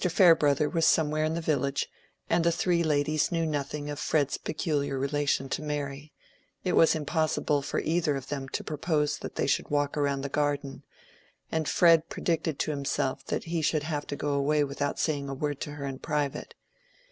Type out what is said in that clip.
Farebrother was somewhere in the village, and the three ladies knew nothing of Fred's peculiar relation to Mary: it was impossible for either of them to propose that they should walk round the garden, and Fred predicted to himself that he should have to go away without saying a word to her in private.